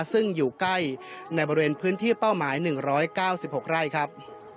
ซึ่งอยู่ใกล้ในบริเวณพื้นที่เป้าหมาย๑๙๖ไร่ครับ